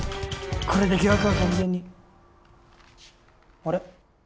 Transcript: これで疑惑は完全にあれ？